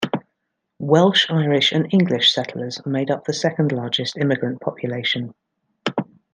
Welsh, Irish, and English settlers made up the second largest immigrant population.